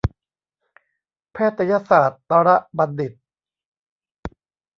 แพทยศาสตรบัณฑิต